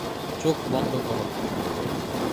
চোখ বন্ধ করো।